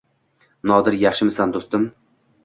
Nodir yaxshimisan, do`stim